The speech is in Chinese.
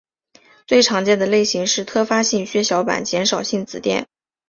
最常见的类型是特发性血小板减少性紫癜。